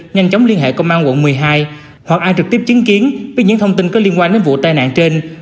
nhanh chóng liên hệ công an quận một mươi hai hoặc an trực tiếp chứng kiến với những thông tin có liên quan đến vụ tai nạn trên